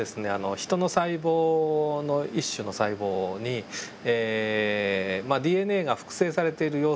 ヒトの細胞の一種の細胞にＤＮＡが複製されている様子を明らかにしようとしてですね